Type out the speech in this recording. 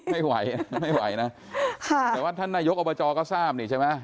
ไม่ไหวไม่ไหวนะค่ะแต่ว่าท่านนายกอบจก็ทราบนี่ใช่ไหม